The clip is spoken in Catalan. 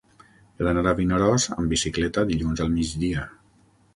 He d'anar a Vinaròs amb bicicleta dilluns al migdia.